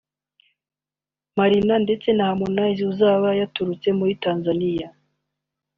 Marina ndetse na Harmonize uzaba yaturutse muri Tanzania